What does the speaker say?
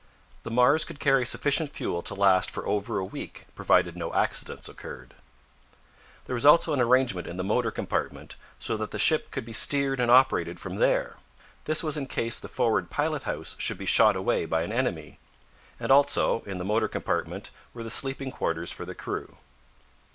The Mars could carry sufficient fuel to last for over a week, provided no accidents occurred. There was also an arrangement in the motor compartment, so that the ship could be steered and operated from there. This was in case the forward pilot house should be shot away by an enemy. And, also, in the motor compartment were the sleeping quarters for the crew.